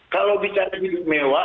kalau bicara hidup mewah